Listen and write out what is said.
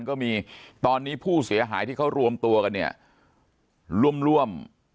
ก็มีตอนนี้ผู้เสียหายที่เขารวมตัวกันเนี่ยร่วมร่วม